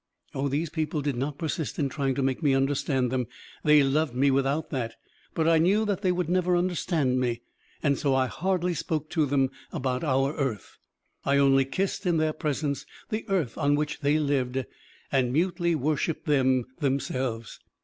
Oh, these people did not persist in trying to make me understand them, they loved me without that, but I knew that they would never understand me, and so I hardly spoke to them about our earth. I only kissed in their presence the earth on which they lived and mutely worshipped them themselves.